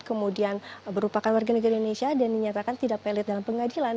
kemudian merupakan warga negara indonesia dan dinyatakan tidak pelit dalam pengadilan